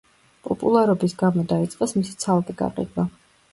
პოპულარობის გამო დაიწყეს მისი ცალკე გაყიდვა.